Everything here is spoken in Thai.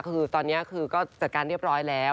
คือตอนนี้คือก็จัดการเรียบร้อยแล้ว